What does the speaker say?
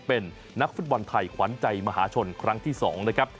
เป็นนักฟุตบอลไทยขวัญใจมหาชนครั้งที่๒นะครับ